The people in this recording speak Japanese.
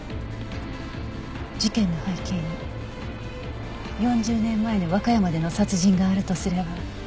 事件の背景に４０年前の和歌山での殺人があるとすれば。